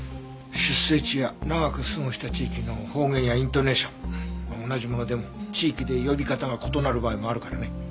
出生地や長く過ごした地域の方言やイントネーション同じものでも地域で呼び方が異なる場合もあるからね。